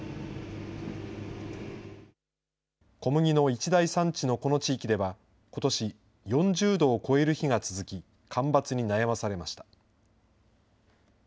小麦の一大産地のこの地域ではことし、４０度を超える日が続き、干ばつに悩まされました。